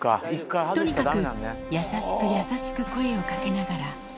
とにかく優しく優しく声をかけながら。